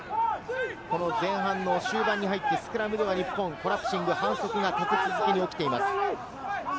前半の終盤に入って、スクラムでは日本、コラプシング・反則が立て続けに起きています。